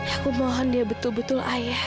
aku mohon dia betul betul ayah